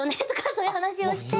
そういう話をして。